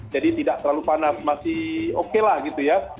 jadi tidak terlalu panas masih oke lah gitu ya